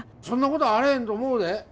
そんなことあれへんと思うで。